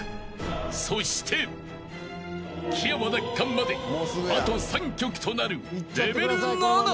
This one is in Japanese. ［そして木山奪還まであと３曲となる］